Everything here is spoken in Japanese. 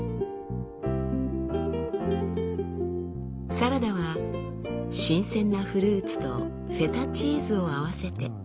サラダは新鮮なフルーツとフェタチーズを合わせて。